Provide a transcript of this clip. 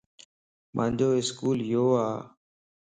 مانجو اسڪول يو ا